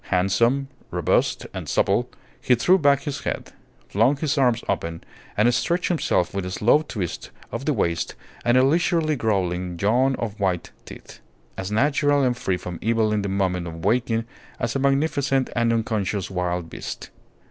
Handsome, robust, and supple, he threw back his head, flung his arms open, and stretched himself with a slow twist of the waist and a leisurely growling yawn of white teeth, as natural and free from evil in the moment of waking as a magnificent and unconscious wild beast.